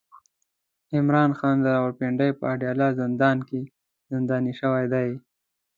عمران خان د راولپنډۍ په اډياله زندان کې زنداني شوی دی